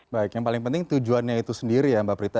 baik yang paling penting tujuannya itu sendiri ya mbak prita